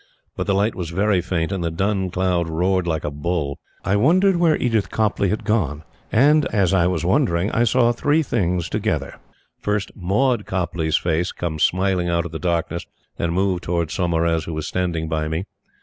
But the light was very faint, and the dun cloud roared like a bull. I wondered where Edith Copleigh had gone; and as I was wondering I saw three things together: First Maud Copleigh's face come smiling out of the darkness and move towards Saumarez, who was standing by me.